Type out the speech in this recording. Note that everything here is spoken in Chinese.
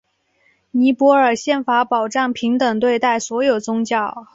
尼泊尔宪法保障平等对待所有宗教。